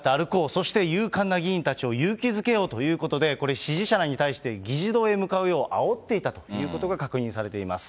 そして勇敢な議員たちを勇気づけようということで、これ、支持者らに対して、議事堂へ向かうようあおっていたということが確認されています。